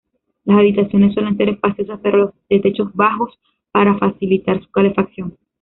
Las habitaciones suelen ser espaciosas pero de techos bajos para facilitar su calefacción.